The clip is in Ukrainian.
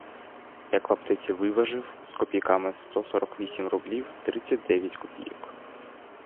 Як в аптеці виважив — з копійками, сто сорок вісім рублів тридцять дев'ять копійок.